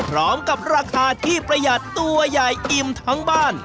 ราคาที่ประหยัดตัวใหญ่อิ่มทั้งบ้าน